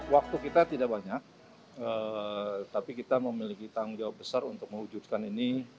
waktu kita tidak banyak tapi kita memiliki tanggung jawab besar untuk mewujudkan ini